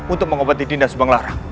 untuk mengobati dinda subanglarang